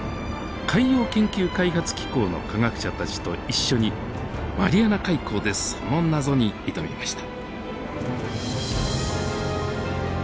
海洋研究開発機構の科学者たちと一緒にマリアナ海溝でその謎に挑みました。